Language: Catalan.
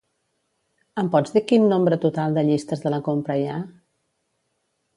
Em pots dir quin nombre total de llistes de la compra hi ha?